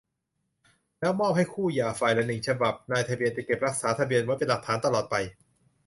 แล้วมอบให้คู่หย่าฝ่ายละ หนึ่ง ฉบับ นายทะเบียนจะเก็บรักษาทะเบียนไว้เป็นหลักฐานตลอดไป